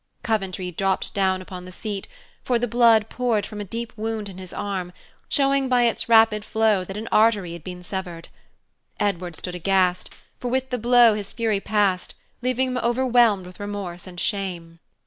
Coventry dropped down upon the seat, for the blood poured from a deep wound in his arm, showing by its rapid flow that an artery had been severed. Edward stood aghast, for with the blow his fury passed, leaving him overwhelmed with remorse and shame.